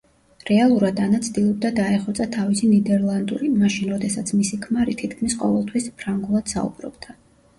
რეალურად ანა ცდილობდა დაეხვეწა თავისი ნიდერლანდური, მაშინ, როდესაც მისი ქმარი თითქმის ყოველთვის ფრანგულად საუბრობდა.